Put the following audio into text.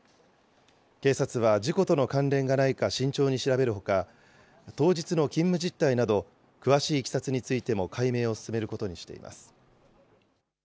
警察は事故との関連がないか慎重に調べるほか、当日の勤務実態など、詳しいいきさつについても解明を進めることにしています。